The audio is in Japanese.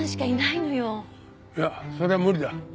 いやそれは無理だ。